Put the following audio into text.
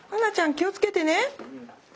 気をつけてね。